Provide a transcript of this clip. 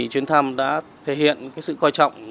chuyến thăm đã thể hiện sự quan trọng